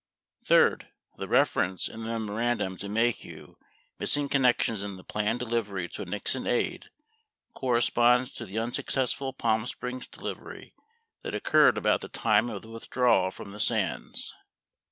30 Third, the reference in the memorandum to Maheu missing connections in the planned delivery to a Nixon aide corresponds to the unsuccessful Palm Springs delivery that occurred about the time of the withdrawal from the Sands.